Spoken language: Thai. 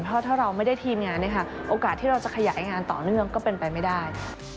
เพราะถ้าเราไม่ได้ทีมงานโอกาสที่เราจะขยายงานต่อเนื่องก็เป็นไปไม่ได้